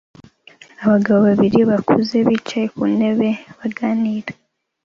Abagabo babiri bakuze bicaye ku ntebe baganira